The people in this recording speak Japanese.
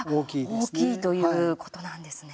大きいということなんですね。